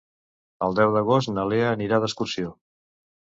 El deu d'agost na Lea anirà d'excursió.